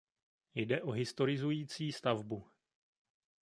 Jde o historizující stavbu.